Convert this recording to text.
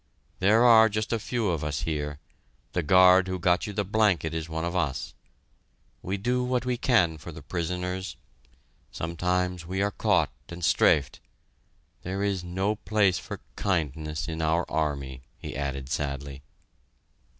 There are just a few of us here the guard who got you the blanket is one of us. We do what we can for the prisoners; sometimes we are caught and strafed.... There is no place for kindness in our army," he added sadly.